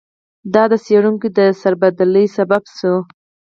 دا د څېړونکو د سربدالۍ سبب شوی.